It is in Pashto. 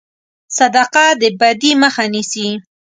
صدقه د بدي مخه نیسي.